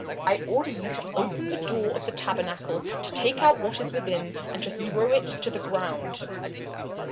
I order you to open the door of the tabernacle, to take out what is within and to throw it to the ground!"